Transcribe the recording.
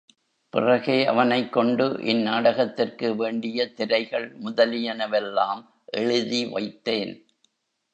பிறகே அவனைக் கொண்டு இந் நாடகத்திற்கு வேண்டிய திரைகள் முதலியன வெல்லாம் எழுதி வைத்தேன்.